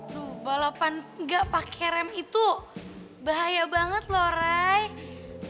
aduh balapan gak pakai rem itu bahaya banget loh rai